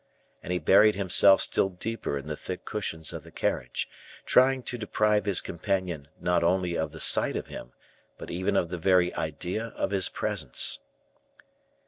And he buried himself still deeper in the thick cushions of the carriage, trying to deprive his companion not only of the sight of him, but even of the very idea of his presence.